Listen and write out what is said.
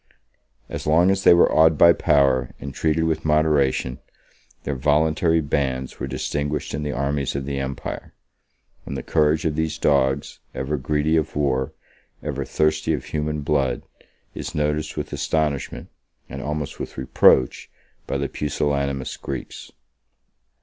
As long as they were awed by power and treated with moderation, their voluntary bands were distinguished in the armies of the empire; and the courage of these dogs, ever greedy of war, ever thirsty of human blood, is noticed with astonishment, and almost with reproach, by the pusillanimous Greeks.